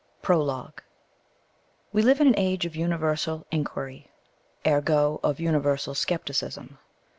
PROLOGUE. We live in an age of universal inquiry, ergo of universal scepticism.